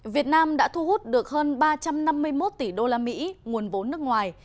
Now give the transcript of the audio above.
việt nam đã thu hút được hơn ba trăm năm mươi một tỷ usd nguồn vốn nước ngoài